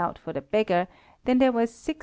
out for the beggar; then there was 6s.